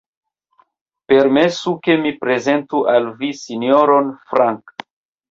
Permesu, ke mi prezentu al vi Sinjoron Frank.